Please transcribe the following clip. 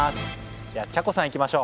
ではちゃこさんいきましょう。